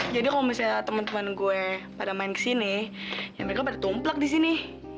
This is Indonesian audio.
jadi kalau misalnya temen temen gue pada main kesini ya mereka pada tumplak disini